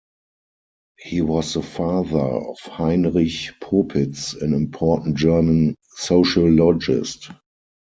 He was the father of Heinrich Popitz, an important German sociologist.